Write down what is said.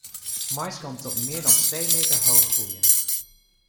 Maïs kan tot meer dan twee meter hoog groeien.